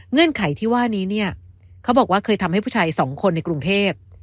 ไขที่ว่านี้เนี่ยเขาบอกว่าเคยทำให้ผู้ชายสองคนในกรุงเทพ